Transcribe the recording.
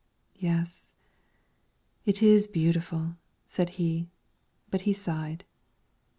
"Yes, it is beautiful," said he, but he sighed.